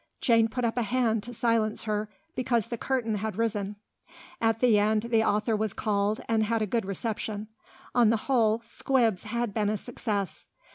Jane put up a hand to silence her, because the curtain had risen. At the end the author was called and had a good reception; on the whole "Squibs" had been a success.